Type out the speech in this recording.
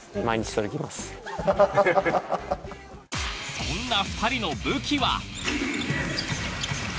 そんな２人の武器は。